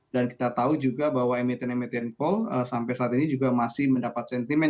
dan kita tahu juga bahwa emiten emetin coal sampai saat ini juga masih mendapat sentimen